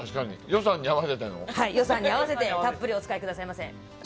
予算に合わせてたっぷりお使いくださいませ。